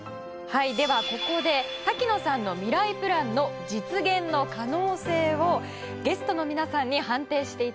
はいではここで滝野さんのミライプランの実現の可能性をゲストの皆さんに判定して頂きます。